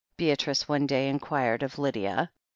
Beatrice one day inquired of Lydia.